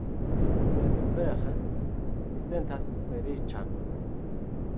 Sed vere mi sentas feliĉan